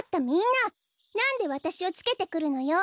なんでわたしをつけてくるのよ！